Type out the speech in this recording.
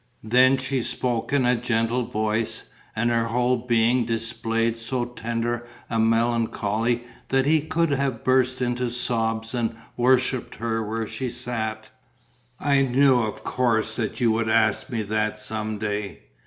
Then she spoke in a gentle voice; and her whole being displayed so tender a melancholy that he could have burst into sobs and worshipped her where she sat. "I knew of course that you would ask me that some day.